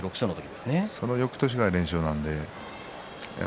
その、よくとしからの連勝なので。